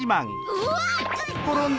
うわっ！